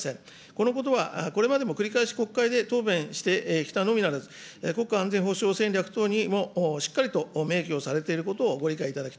このことはこれまでも繰り返し国会で答弁してきたのみならず、国家安全保障戦略等にもしっかりと明記をされていることを、ご理